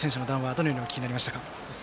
どのようにお聞きになりましたか。